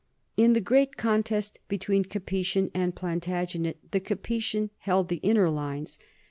In the great contest between Capetian and Plantagenet the Capetian "held the inner lines."